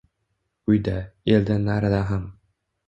Uyda, eldan narida ham